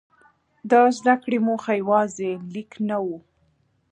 د زده کړې موخه یوازې لیک نه وه.